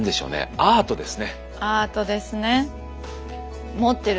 アートですね。